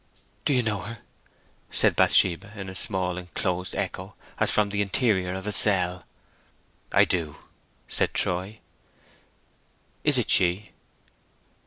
"Do you know her?" said Bathsheba, in a small enclosed echo, as from the interior of a cell. "I do," said Troy. "Is it she?"